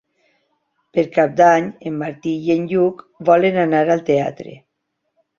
Per Cap d'Any en Martí i en Lluc volen anar al teatre.